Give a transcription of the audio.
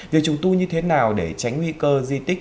việc trùng tu như thế nào để tránh nguy cơ di tích